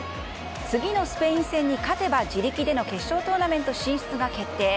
次のスペイン戦に勝てば自力での決勝トーナメント進出が決定。